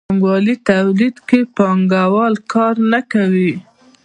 په پانګوالي تولید کې پانګوال کار نه کوي.